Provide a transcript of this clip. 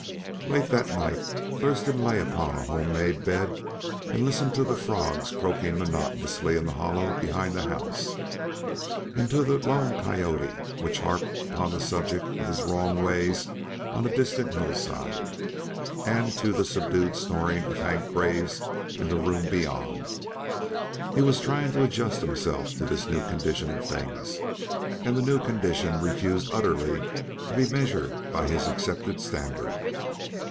Late that night Thurston lay upon a home made bed and listened to the frogs croaking monotonously in the hollow behind the house, and to the lone coyote which harped upon the subject of his wrongs away on a distant hillside, and to the subdued snoring of Hank Graves in the room beyond. He was trying to adjust himself to this new condition of things, and the new condition refused utterly to be measured by his accepted standard.